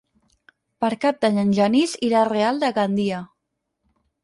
Per Cap d'Any en Genís irà al Real de Gandia.